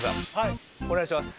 お願いします。